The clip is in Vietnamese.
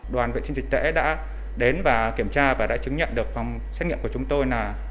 đoàn viện vệ sinh dịch dễ đã đến và kiểm tra và đã chứng nhận được phòng xét nghiệm của chúng tôi